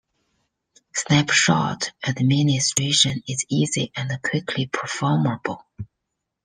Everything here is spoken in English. Snapshot administration is easy and quickly performable.